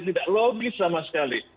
tidak logis sama sekali